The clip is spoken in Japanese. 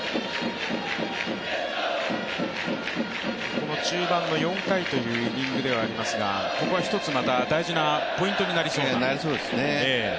この中盤の４回というイニングではありますがここはまた一つ大事なポイントになりそうな。